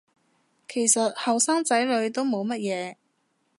其實後生仔女都冇乜嘢